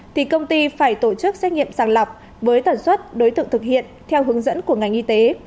thì công ty phải tổ chức xét nghiệm sàng lọc với tần suất đối tượng thực hiện theo hướng dẫn của ngành y tế